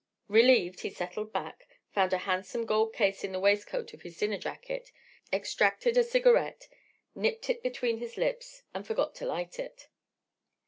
Relieved, he settled back, found a handsome gold case in the waistcoat of his dinner jacket, extracted a cigarette, nipped it between his lips—and forgot to light it.